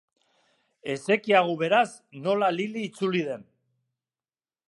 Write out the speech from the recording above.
Ez zekiagu beraz nola Lili itzuli den.